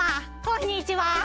こんにちは。